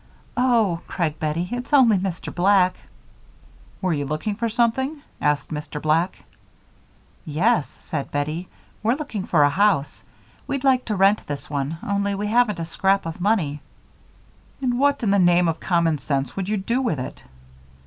"Oh!" cried Bettie, "it's only Mr. Black." "Were you looking for something?" asked Mr. Black. "Yes," said Bettie. "We're looking for a house. We'd like to rent this one, only we haven't a scrap of money." "And what in the name of common sense would you do with it?"